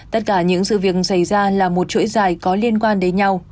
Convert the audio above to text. tất cả những sự việc xảy ra là một chuỗi dài có liên quan đến nhau